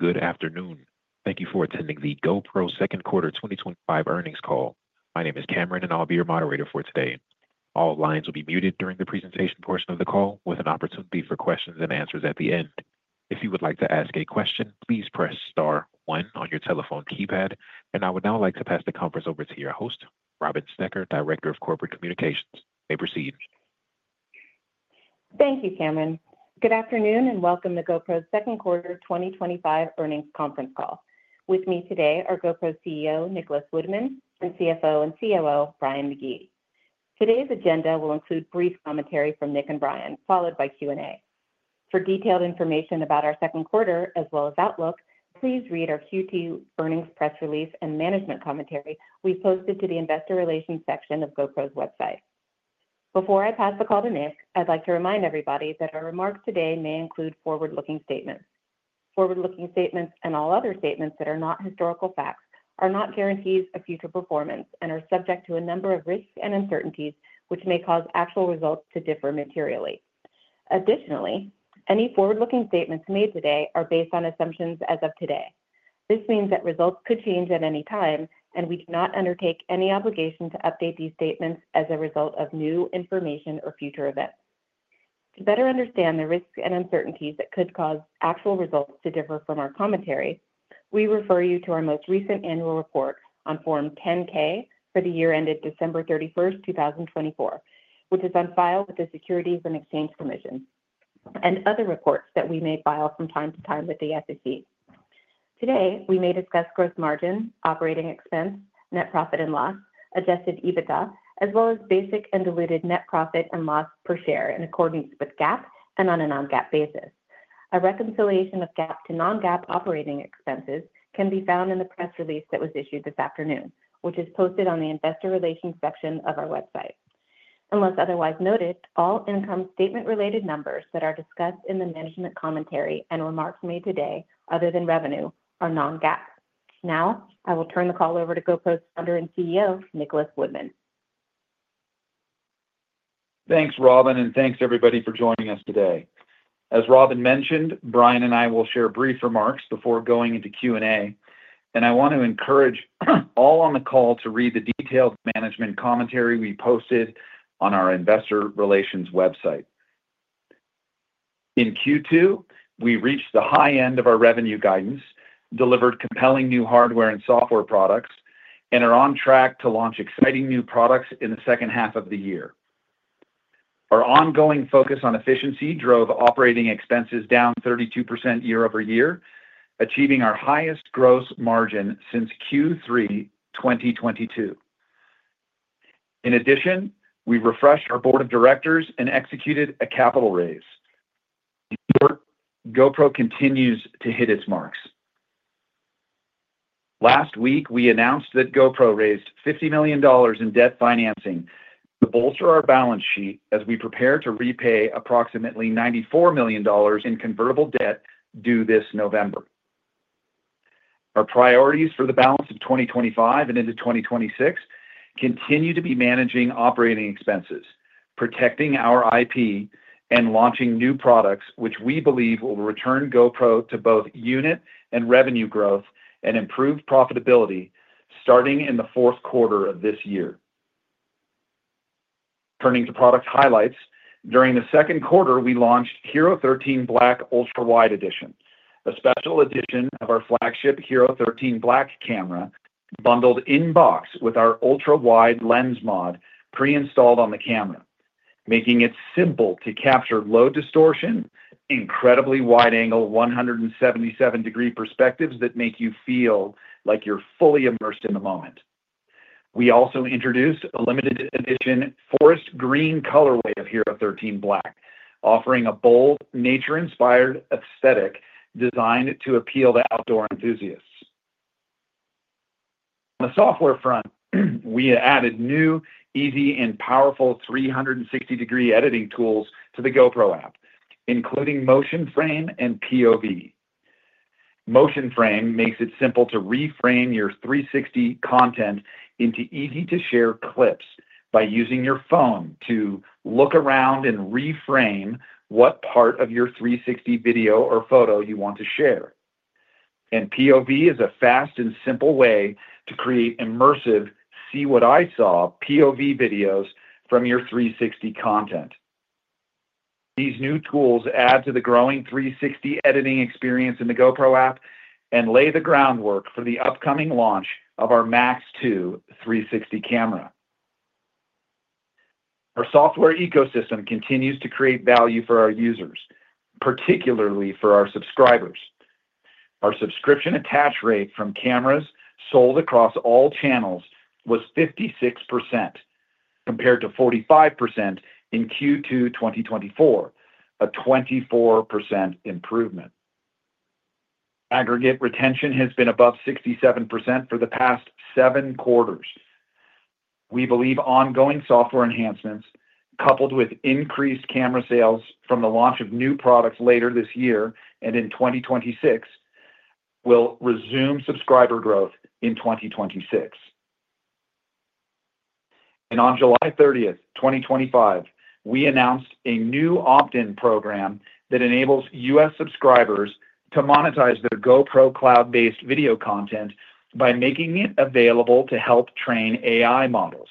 Good afternoon. Thank you for attending the GoPro Second Quarter 2025 Earnings Call. My name is Cameron, and I'll be your moderator for today. All lines will be muted during the presentation portion of the call, with an opportunity for questions and answers at the end. If you would like to ask a question, please press star one on your telephone keypad. I would now like to pass the conference over to your host, Robin Stoecker, Director of Corporate Communications. You may proceed. Thank you, Cameron. Good afternoon and welcome to GoPro's Second Quarter 2025 Earnings Conference Call. With me today are GoPro CEO Nicholas Woodman and CFO and COO Brian McGee. Today's agenda will include brief commentary from Nick and Brian, followed by Q&A. For detailed information about our second quarter as well as outlook, please read our Q2 earnings press release and management commentary we've posted to the investor relations section of GoPro's website. Before I pass the call to Nick, I'd like to remind everybody that our remarks today may include forward-looking statements. Forward-looking statements and all other statements that are not historical facts are not guarantees of future performance and are subject to a number of risks and uncertainties which may cause actual results to differ materially. Additionally, any forward-looking statements made today are based on assumptions as of today. This means that results could change at any time, and we do not undertake any obligation to update these statements as a result of new information or future events. To better understand the risks and uncertainties that could cause actual results to differ from our commentary, we refer you to our most recent annual report on Form 10-K for the year ended December 31st, 2024, which is on file with the Securities and Exchange Commission and other reports that we may file from time to time with the SEC. Today, we may discuss gross margin, operating expense, net profit and loss, adjusted EBITDA, as well as basic and diluted net profit and loss per share in accordance with GAAP and on a non-GAAP basis. A reconciliation of GAAP to non-GAAP operating expenses can be found in the press release that was issued this afternoon, which is posted on the investor relations section of our website. Unless otherwise noted, all income statement-related numbers that are discussed in the management commentary and remarks made today, other than revenue, are non-GAAP. Now, I will turn the call over to GoPro's Founder and CEO, Nicholas Woodman. Thanks, Robin, and thanks everybody for joining us today. As Robin mentioned, Brian and I will share brief remarks before going into Q&A, and I want to encourage all on the call to read the detailed management commentary we posted on our investor relations website. In Q2, we reached the high end of our revenue guidance, delivered compelling new hardware and software products, and are on track to launch exciting new products in the second half of the year. Our ongoing focus on efficiency drove operating expenses down 32% year-over-year, achieving our highest gross margin since Q3 2022. In addition, we refreshed our Board of Directors and executed a capital raise. GoPro continues to hit its marks. Last week, we announced that GoPro raised $50 million in debt financing, bolstering our balance sheet as we prepare to repay approximately $94 million in convertible debt due this November. Our priorities for the balance of 2025 and into 2026 continue to be managing operating expenses, protecting our IP, and launching new products, which we believe will return GoPro to both unit and revenue growth and improve profitability starting in the fourth quarter of this year. Turning to product highlights, during the second quarter, we launched HERO13 Black Ultra Wide Edition, a special edition of our flagship HERO13 Black camera, bundled in box with our Ultra Wide Lens Mod pre-installed on the camera, making it simple to capture low distortion, incredibly wide-angle 177-degree perspectives that make you feel like you're fully immersed in the moment. We also introduced a limited edition forest green colorway of HERO13 Black, offering a bold nature-inspired aesthetic designed to appeal to outdoor enthusiasts. On the software front, we added new, easy, and powerful 360-degree editing tools to the GoPro app, including Motion Frame and POV. Motion Frame makes it simple to reframe your 360 content into easy-to-share clips by using your phone to look around and reframe what part of your 360 video or photo you want to share. POV is a fast and simple way to create immersive "see what I saw" POV videos from your 360 content. These new tools add to the growing 360 editing experience in the GoPro app and lay the groundwork for the upcoming launch of our Max II 360 camera. Our software ecosystem continues to create value for our users, particularly for our subscribers. Our subscription attach rate from cameras sold across all channels was 56% compared to 45% in Q2 2024, a 24% improvement. Aggregate retention has been above 67% for the past seven quarters. We believe ongoing software enhancements, coupled with increased camera sales from the launch of new products later this year and in 2026, will resume subscriber growth in 2026. On July 30th, 2025, we announced a new opt-in program that enables U.S. subscribers to monetize their GoPro cloud-based video content by making it available to help train AI models.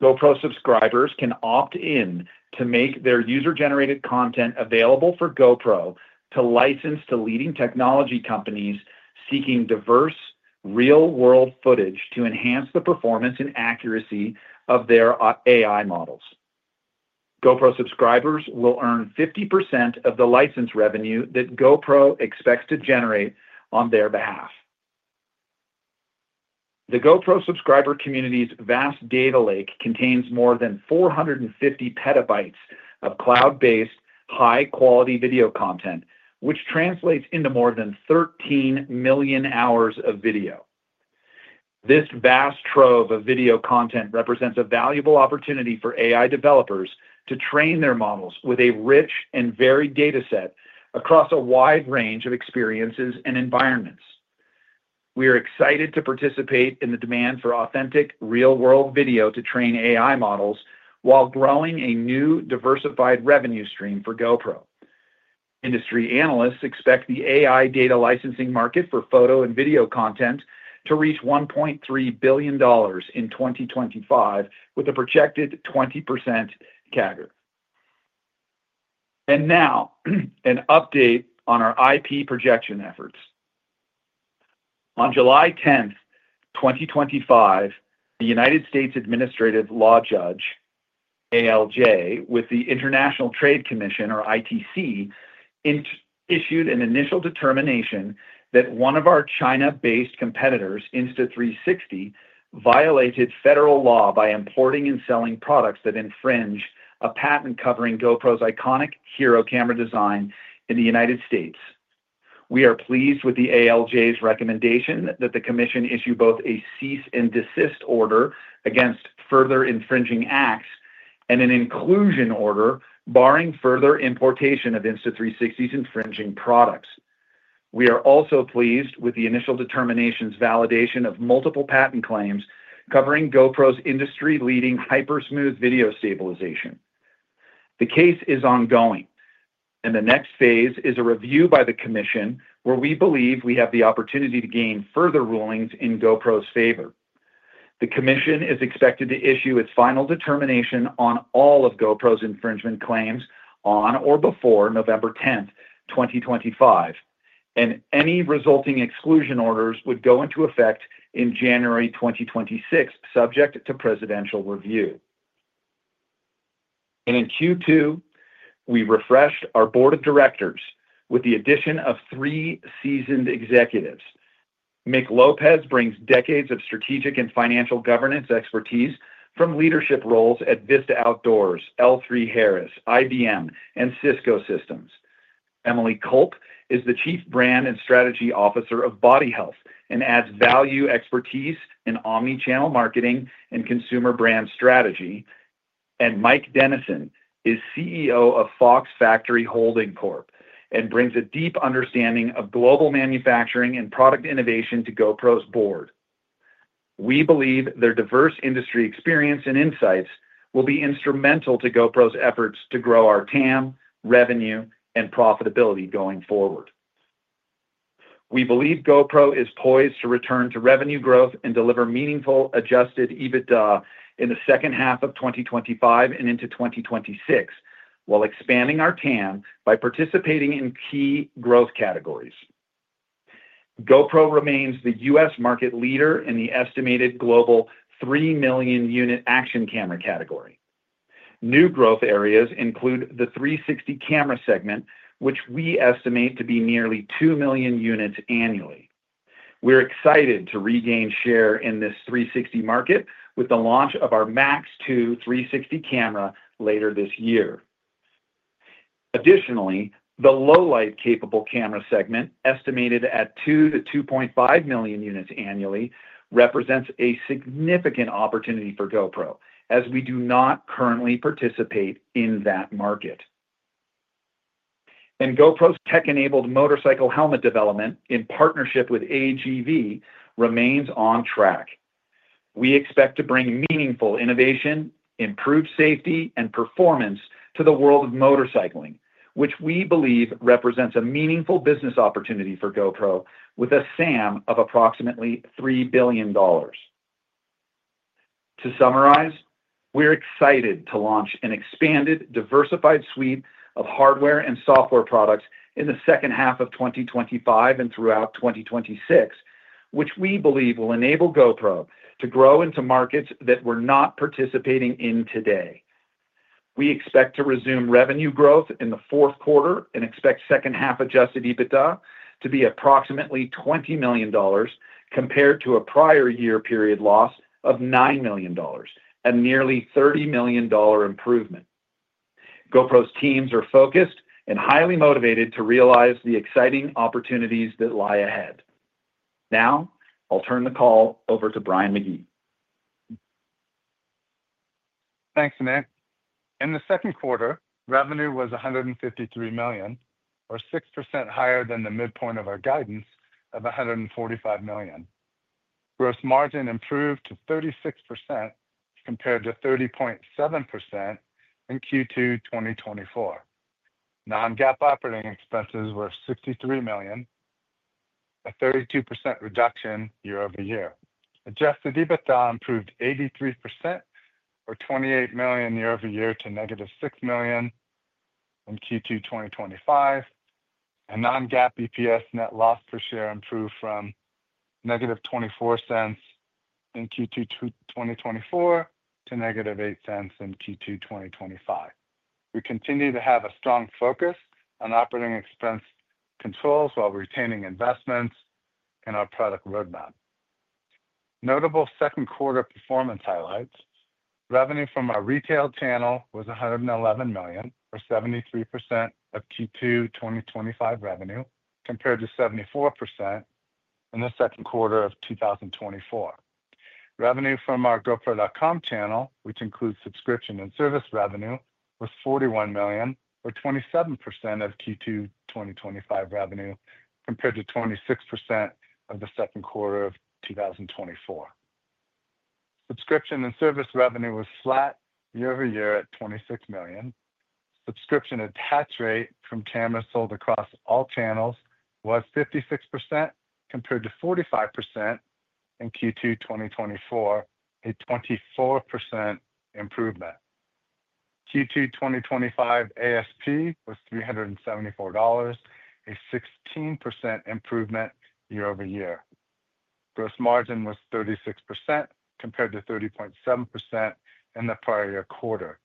GoPro subscribers can opt in to make their user-generated content available for GoPro to license to leading technology companies seeking diverse, real-world footage to enhance the performance and accuracy of their AI models. GoPro subscribers will earn 50% of the license revenue that GoPro expects to generate on their behalf. The GoPro subscriber community's vast data lake contains more than 450 PB of cloud-based high-quality video content, which translates into more than 13 million hours of video. This vast trove of video content represents a valuable opportunity for AI developers to train their models with a rich and varied dataset across a wide range of experiences and environments. We are excited to participate in the demand for authentic, real-world video to train AI models while growing a new diversified revenue stream for GoPro. Industry analysts expect the AI data licensing market for photo and video content to reach $1.3 billion in 2025, with a projected 20% CAGR. Now, an update on our IP protection efforts. On July 10th, 2025, the United States Administrative Law Judge (ALJ) with the International Trade Commission, or ITC, issued an initial determination that one of our China-based competitors, Insta360, violated federal law by importing and selling products that infringe a patent covering GoPro's iconic HERO camera design in the United States. We are pleased with the ALJ's recommendation that the Commission issue both a cease and desist order against further infringing acts and an inclusion order barring further importation of Insta360's infringing products. We are also pleased with the initial determination's validation of multiple patent claims covering GoPro's industry-leading HyperSmooth video stabilization. The case is ongoing, and the next phase is a review by the Commission, where we believe we have the opportunity to gain further rulings in GoPro's favor. The Commission is expected to issue its final determination on all of GoPro's infringement claims on or before November 10th, 2025, and any resulting exclusion orders would go into effect in January 2026, subject to presidential review. In Q2, we refreshed our Board of Directors with the addition of three seasoned executives. Mick Lopez brings decades of strategic and financial governance expertise from leadership roles at Vista Outdoors, L3 Harris, IBM, and Cisco Systems. Emily Culp is the Chief Brand and Strategy Officer of Body Health and adds valuable expertise in omnichannel marketing and consumer brand strategy. Mike Dennison is CEO of Fox Factory Holding Corp and brings a deep understanding of global manufacturing and product innovation to GoPro's board. We believe their diverse industry experience and insights will be instrumental to GoPro's efforts to grow our TAM, revenue, and profitability going forward. We believe GoPro is poised to return to revenue growth and deliver meaningful adjusted EBITDA in the second half of 2025 and into 2026, while expanding our TAM by participating in key growth categories. GoPro remains the US market leader in the estimated global 3 million unit action camera category. New growth areas include the 360 camera segment, which we estimate to be nearly 2 million units annually. We're excited to regain share in this 360 market with the launch of our Max II 360 camera later this year. Additionally, the low-light capable camera segment, estimated at 2 million to 2.5 million units annually, represents a significant opportunity for GoPro, as we do not currently participate in that market. GoPro's tech-enabled motorcycle helmet development, in partnership with AGV, remains on track. We expect to bring meaningful innovation, improved safety, and performance to the world of motorcycling, which we believe represents a meaningful business opportunity for GoPro with a SAM of approximately $3 billion. To summarize, we're excited to launch an expanded, diversified suite of hardware and software products in the second half of 2025 and throughout 2026, which we believe will enable GoPro to grow into markets that we're not participating in today. We expect to resume revenue growth in the fourth quarter and expect second-half adjusted EBITDA to be approximately $20 million compared to a prior year period loss of $9 million, a nearly $30 million improvement. GoPro's teams are focused and highly motivated to realize the exciting opportunities that lie ahead. Now, I'll turn the call over to Brian McGee. Thanks, Nick. In the second quarter, revenue was $153 million, or 6% higher than the midpoint of our guidance of $145 million. Gross margin improved to 36% compared to 30.7% in Q2 2024. Non-GAAP operating expenses were $63 million, a 32% reduction year-over-year. Adjusted EBITDA improved 83%, or $28 million year-over-year, to negative $6 million in Q2 2025, and non-GAAP EPS net loss per share improved from negative $0.24 in Q2 2024 to negative $0.08 in Q2 2025. We continue to have a strong focus on operating expense controls while retaining investments in our product roadmap. Notable second quarter performance highlights: Revenue from our retail channel was $111 million, or 73% of Q2 2025 revenue, compared to 74% in the second quarter of 2024. Revenue from our GoPro.com channel, which includes subscription and service revenue, was $41 million, or 27% of Q2 2025 revenue, compared to 26% of the second quarter of 2024. Subscription and service revenue was flat year-over-year at $26 million. Subscription attach rate from cameras sold across all channels was 56% compared to 45% in Q2 2024, a 24% improvement. Q2 2025 ASP was $374, a 16% improvement year-over-year. Gross margin was 36% compared to 30.7% in the prior year quarter.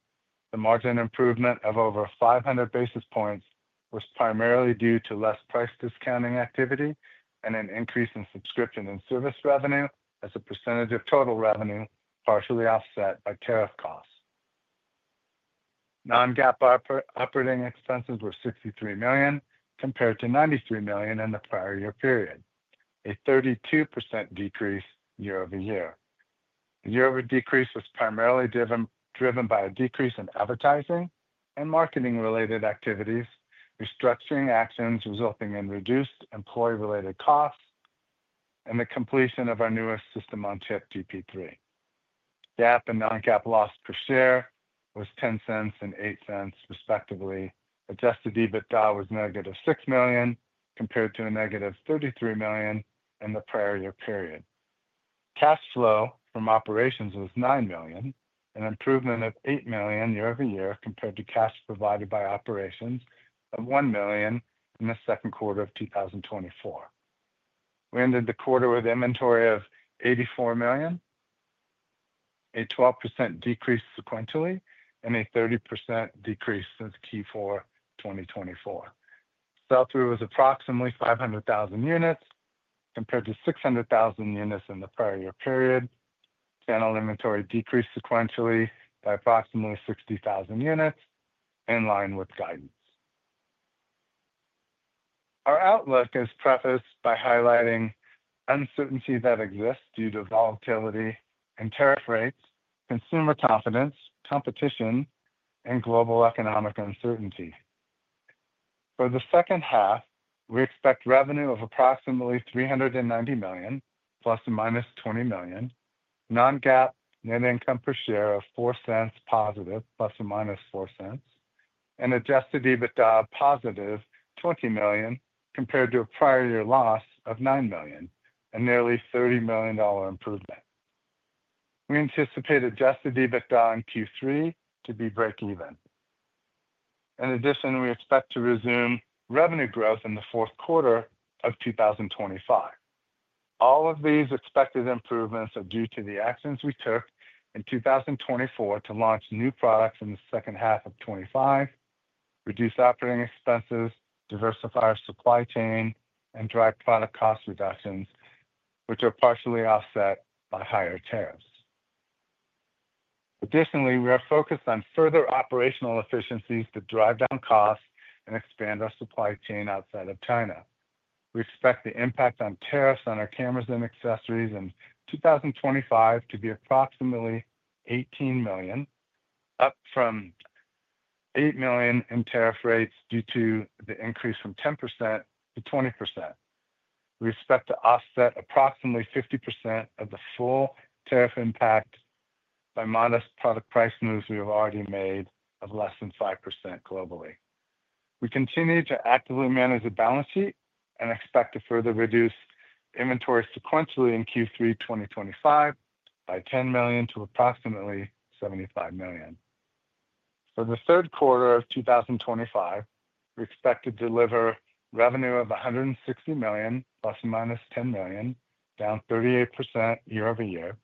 The margin improvement of over 500 basis points was primarily due to less price discounting activity and an increase in subscription and service revenue as a percentage of total revenue, partially offset by tariff costs. Non-GAAP operating expenses were $63 million compared to $93 million in the prior year period, a 32% decrease year-over-year. The year-over decrease was primarily driven by a decrease in advertising and marketing-related activities, restructuring actions resulting in reduced employee-related costs, and the completion of our newest system on chip GP3. GAAP and non-GAAP loss per share was $0.10 and $0.08 respectively. Adjusted EBITDA was -$6 million compared to a -$33 million in the prior year period. Cash flow from operations was $9 million, an improvement of $8 million year-over-year compared to cash provided by operations of $1 million in the second quarter of 2024. We ended the quarter with an inventory of $84 million, a 12% decrease sequentially, and a 30% decrease since Q4 2024. Sell-through was approximately 500,000 units compared to 600,000 units in the prior year period. Channel inventory decreased sequentially by approximately 60,000 units in line with guidance. Our outlook is prefaced by highlighting uncertainty that exists due to volatility and tariff rates, consumer confidence, competition, and global economic uncertainty. For the second half, we expect revenue of approximately $390 million, ±$20 million, non-GAAP net income per share of $0.04+, ±$0.04, and adjusted EBITDA +$20 million compared to a prior year loss of $9 million and nearly $30 million improvement. We anticipate adjusted EBITDA in Q3 to be break-even. In addition, we expect to resume revenue growth in the fourth quarter of 2025. All of these expected improvements are due to the actions we took in 2024 to launch new products in the second half of 2025, reduce operating expenses, diversify our supply chain, and drive product cost reductions, which are partially offset by higher tariffs. Additionally, we are focused on further operational efficiencies to drive down costs and expand our supply chain outside of China. We expect the impact on tariffs on our cameras and accessories in 2025 to be approximately $18 million, up from $8 million in tariff rates due to the increase from 10%-20%. We expect to offset approximately 50% of the full tariff impact by modest product price moves we have already made of less than 5% globally. We continue to actively manage the balance sheet and expect to further reduce inventory sequentially in Q3 2025 by $10 million to approximately $75 million. For the third quarter of 2025, we expect to deliver revenue of $160 million, ±$10 million, down 38% year-over-year.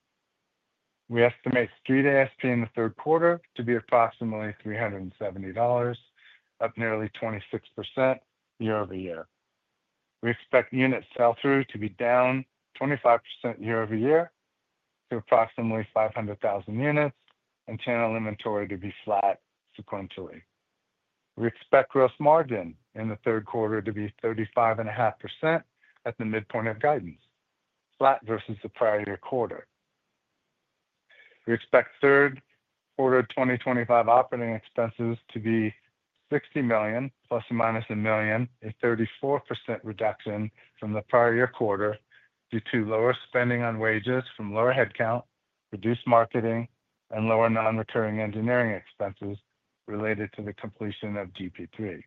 We estimate street ASP in the third quarter to be approximately $370, up nearly 26% year-over-year. We expect unit sell-through to be down 25% year-over-year to approximately 500,000 units, and channel inventory to be flat sequentially. We expect gross margin in the third quarter to be 35.5% at the midpoint of guidance, flat versus the prior year quarter. We expect third quarter 2025 operating expenses to be $60 million, ±$1 million, a 34% reduction from the prior year quarter due to lower spending on wages from lower headcount, reduced marketing, and lower non-recurring engineering expenses related to the completion of GP3.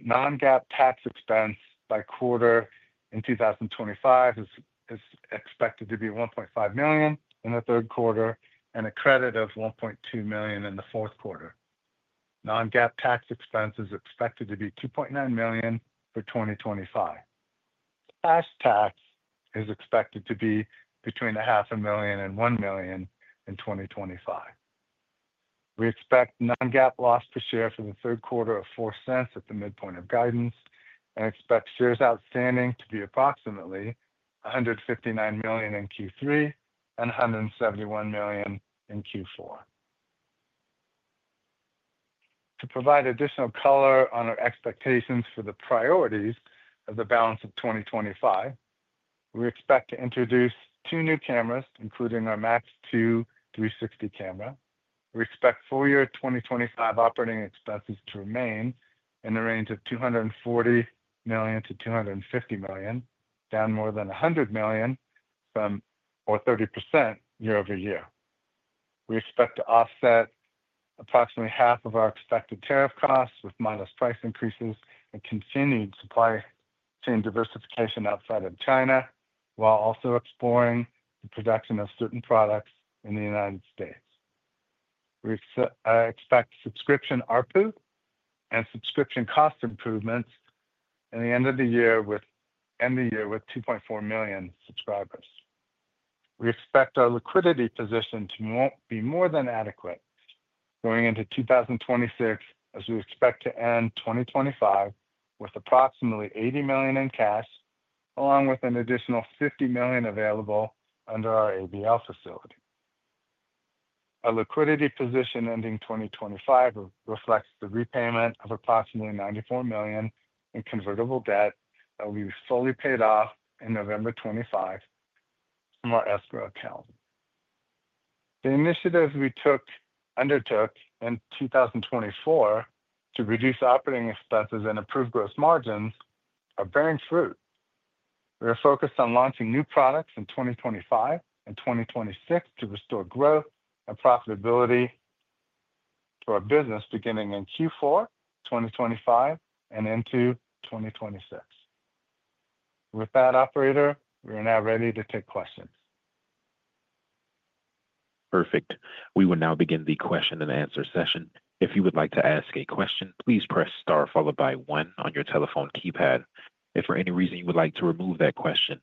Non-GAAP tax expense by quarter in 2025 is expected to be $1.5 million in the third quarter and a credit of $1.2 million in the fourth quarter. Non-GAAP tax expense is expected to be $2.9 million for 2025. Cash tax is expected to be between $0.5 million and $1 million in 2025. We expect non-GAAP loss per share for the third quarter of $0.04 at the midpoint of guidance and expect shares outstanding to be approximately 159 million in Q3 and 171 million in Q4. To provide additional color on our expectations for the priorities of the balance of 2025, we expect to introduce two new cameras, including our Max II 360 camera. We expect full-year 2025 operating expenses to remain in the range of $240 million-$250 million, down more than $100 million from, or 30% year-over-year. We expect to offset approximately half of our expected tariff costs with modest price increases and continued supply chain diversification outside of China, while also exploring the production of certain products in the United States. We expect subscription ARPU and subscription cost improvements at the end of the year, with 2.4 million subscribers. We expect our liquidity position to be more than adequate going into 2026, as we expect to end 2025 with approximately $80 million in cash, along with an additional $50 million available under our ABL facility. Our liquidity position ending 2025 reflects the repayment of approximately $94 million in convertible debt that will be fully paid off in November 2025 from our escrow account. The initiatives we undertook in 2024 to reduce operating expenses and improve gross margins are bearing fruit. We are focused on launching new products in 2025 and 2026 to restore growth and profitability for our business beginning in Q4 2025 and into 2026. With that, operator, we are now ready to take questions. Perfect. We will now begin the question and answer session. If you would like to ask a question, please press star followed by one on your telephone keypad. If for any reason you would like to remove that question,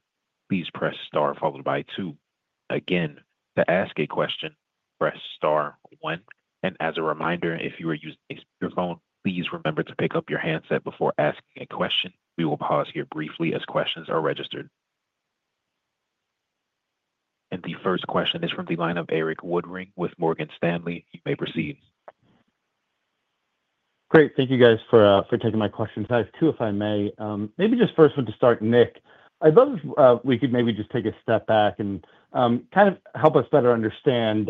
please press star followed by two. Again, to ask a question, press star one. As a reminder, if you are using your phone, please remember to pick up your handset before asking a question. We will pause here briefly as questions are registered. The first question is from the line of Erik Woodring with Morgan Stanley. You may proceed. Great. Thank you guys for taking my questions. I have two, if I may. Maybe just first, we'll just start with Nick. I'd love if we could maybe just take a step back and kind of help us better understand,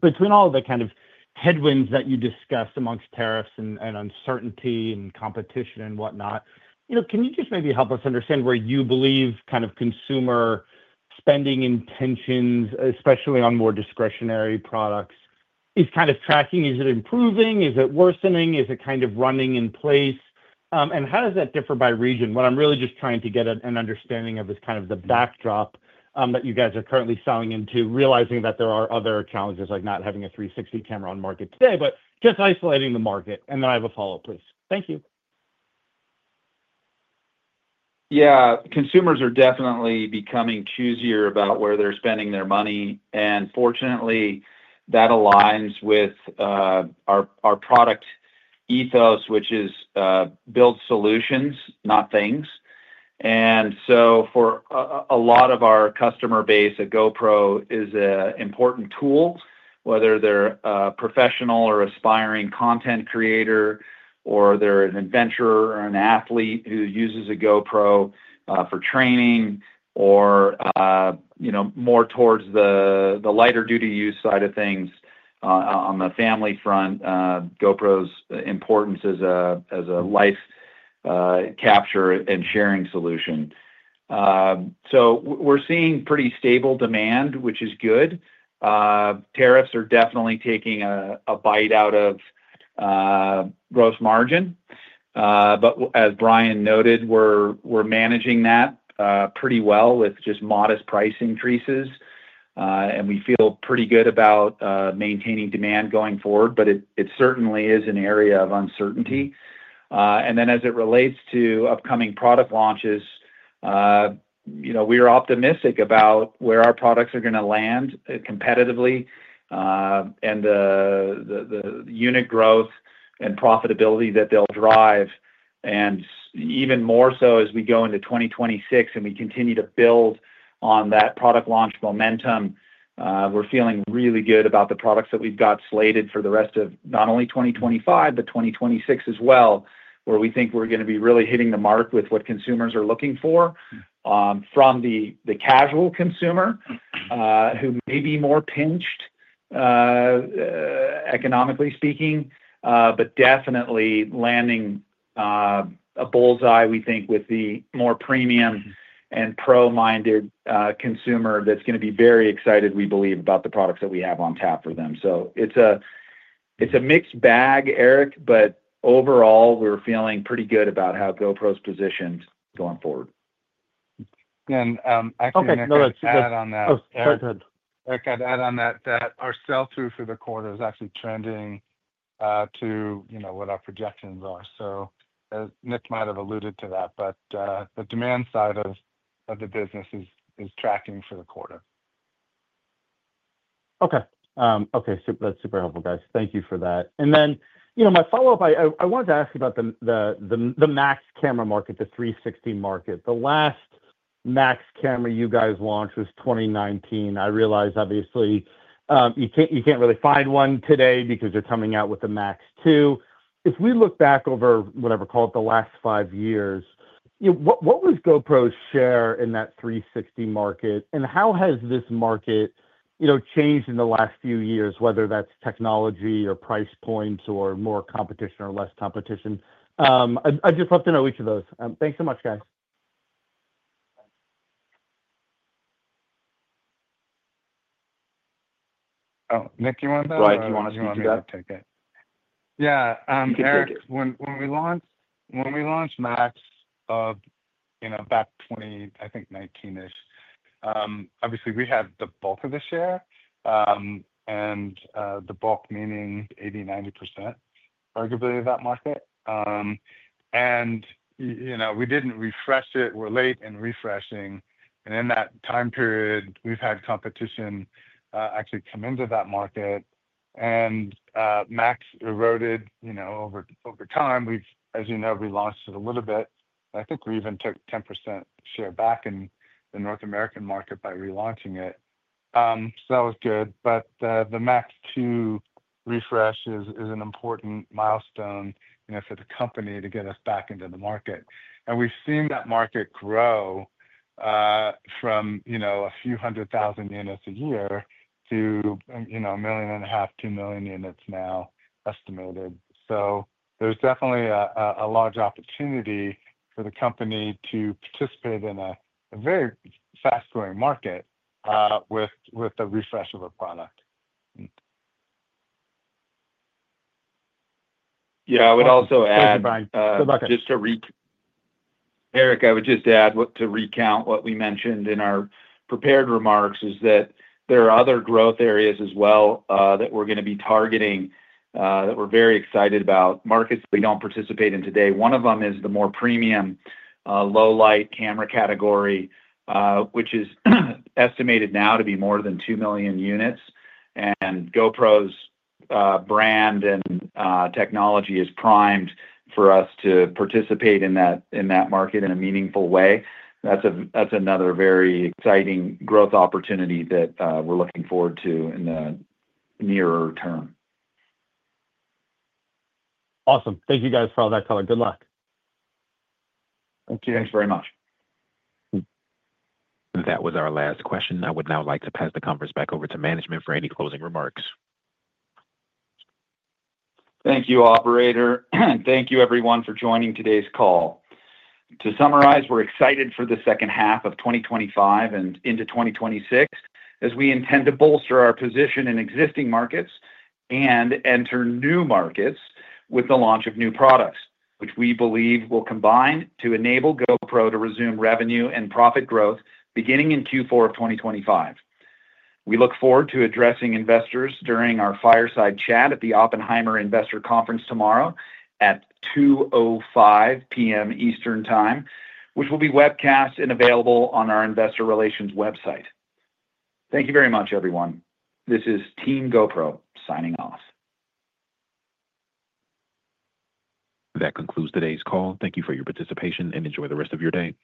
between all of the kind of headwinds that you discussed amongst tariffs and uncertainty and competition and whatnot. Can you just maybe help us understand where you believe kind of consumer spending intentions, especially on more discretionary products, is kind of tracking? Is it improving? Is it worsening? Is it kind of running in place? How does that differ by region? What I'm really just trying to get an understanding of is kind of the backdrop that you guys are currently selling into, realizing that there are other challenges like not having a 360 camera on market today, but just isolating the market. I have a follow-up, please. Thank you. Yeah, consumers are definitely becoming choosier about where they're spending their money. Fortunately, that aligns with our product ethos, which is build solutions, not things. For a lot of our customer base, a GoPro is an important tool, whether they're a professional or aspiring content creator, or they're an adventurer or an athlete who uses a GoPro for training or more towards the lighter duty use side of things. On the family front, GoPro's importance as a life capture and sharing solution is clear, so we're seeing pretty stable demand, which is good. Tariffs are definitely taking a bite out of gross margin, but as Brian noted, we're managing that pretty well with just modest price increases. We feel pretty good about maintaining demand going forward, but it certainly is an area of uncertainty. As it relates to upcoming product launches, we are optimistic about where our products are going to land competitively, and the unit growth and profitability that they'll drive. Even more so as we go into 2026 and we continue to build on that product launch momentum, we're feeling really good about the products that we've got slated for the rest of not only 2025, but 2026 as well, where we think we're going to be really hitting the mark with what consumers are looking for, from the casual consumer, who may be more pinched, economically speaking, but definitely landing a bullseye, we think, with the more premium and pro-minded consumer that's going to be very excited, we believe, about the products that we have on tap for them. It's a mixed bag, Eric, but overall, we're feeling pretty good about how GoPro's positioned going forward. I can add on that. Oh, Eric. Eric, go ahead. Eric, I'd add that our sell-through for the quarter is actually trending to what our projections are. Nick might have alluded to that, but the demand side of the business is tracking for the quarter. Okay. That's super helpful, guys. Thank you for that. I wanted to ask you about the Max camera market, the 360 market. The last Max camera you guys launched was 2019. I realize, obviously, you can't really find one today because you're coming out with the Max II. If we look back over, whatever, call it the last five years, what was GoPro's share in that 360 market? How has this market changed in the last few years, whether that's technology or price points or more competition or less competition? I'd just love to know each of those. Thanks so much, guys. Oh, Nick, you want to go? If you want to speak up, take it. Yeah. Erik, when we launched Max, you know, back 2019-ish, obviously, we had the bulk of the share, the bulk meaning 80%-90% arguably of that market. You know, we didn't refresh it. We're late in refreshing. In that time period, we've had competition actually come into that market, and Max eroded over time. We've, as you know, relaunched it a little bit. I think we even took 10% share back in the North American market by relaunching it, so that was good. The Max II refresh is an important milestone for the company to get us back into the market. We've seen that market grow from a few hundred thousand units a year to a million and a half, two million units now estimated. There's definitely a large opportunity for the company to participate in a very fast-growing market with a refresh of a product. Yeah, I would also add, Eric, I would just add to recount what we mentioned in our prepared remarks is that there are other growth areas as well that we're going to be targeting, that we're very excited about. Markets that we don't participate in today, one of them is the more premium, low-light camera category, which is estimated now to be more than 2 million units. GoPro's brand and technology is primed for us to participate in that market in a meaningful way. That's another very exciting growth opportunity that we're looking forward to in the nearer term. Awesome. Thank you guys for all that color. Good luck. Thank you. Thanks very much. That was our last question. I would now like to pass the conference back over to management for any closing remarks. Thank you, operator. Thank you, everyone, for joining today's call. To summarize, we're excited for the second half of 2025 and into 2026 as we intend to bolster our position in existing markets and enter new markets with the launch of new products, which we believe will combine to enable GoPro to resume revenue and profit growth beginning in Q4 of 2025. We look forward to addressing investors during our fireside chat at the Oppenheimer Investor Conference tomorrow at 2:05 P.M. Eastern Time, which will be webcast and available on our investor relations website. Thank you very much, everyone. This is Team GoPro signing off. That concludes today's call. Thank you for your participation and enjoy the rest of your day.